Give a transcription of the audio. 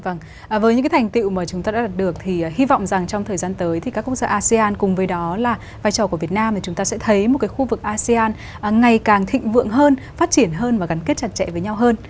vâng với những cái thành tiệu mà chúng ta đã đạt được thì hy vọng rằng trong thời gian tới thì các quốc gia asean cùng với đó là vai trò của việt nam thì chúng ta sẽ thấy một cái khu vực asean ngày càng thịnh vượng hơn phát triển hơn và gắn kết chặt chẽ với nhau hơn